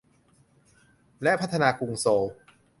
และพัฒนากรุงโซล